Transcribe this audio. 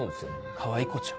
かわいこちゃん？